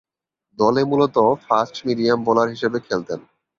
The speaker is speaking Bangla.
দলে মূলতঃ ফাস্ট মিডিয়াম বোলার হিসেবে খেলতেন।